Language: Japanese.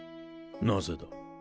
なぜだ？